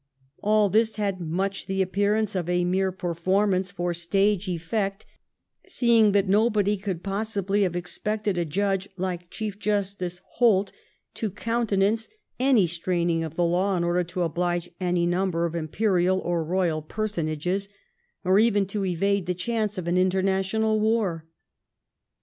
All this had much the appearance of a mere performance for stage effect, seeing that nobody could possibly have expected a judge like Chief Justice Holt to coun tenance any straining of the law in order to oblige any number of imperial or royal personages, or even to evade the chance of an international war.